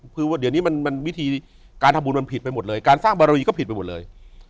คือเดี๋ยวนี้มันวิธีการทำบุญมันผิดไปหมดเลยการสร้างบารีก็ผิดไปหมดเลย